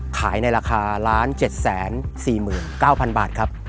ขายในราคา๑๗๔๙๐๐บาทครับ